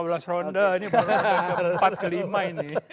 kalau tujuh lima belas ronde ini empat ke lima ini